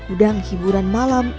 udang hiburan malam